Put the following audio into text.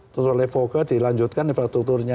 terus oleh foka dilanjutkan infrastrukturnya